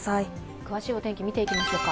詳しいお天気見ていきましょうか。